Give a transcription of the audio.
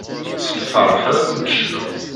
S lferḥ ara m-d-cnuɣ.